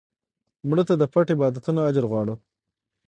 مړه ته د پټ عبادتونو اجر غواړو